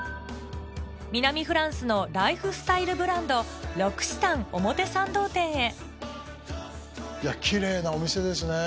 南フランスのライフスタイルブランドロクシタン表参道店へいやキレイなお店ですね。